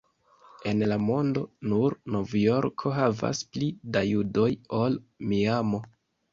En la mondo, nur Novjorko havas pli da judoj ol Miamo.